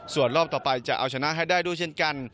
ส่วนรอบต่อไปจะเอาชนะให้ได้ด้วยเช่นกัน